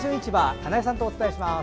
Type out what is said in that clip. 金井さんとお伝えします。